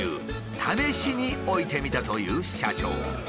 試しに置いてみたという社長。